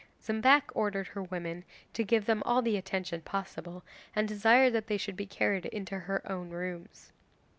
Zambac ordered her women to give them all the attention possible, and desired they should be carried into her own rooms.